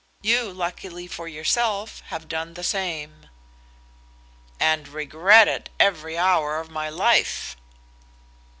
You, luckily for yourself, have done the same." "And regret it every hour of my life."